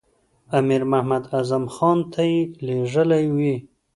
امیر محمد اعظم خان ته یې لېږلی وي.